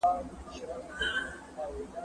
زه پرون زده کړه وکړه؟!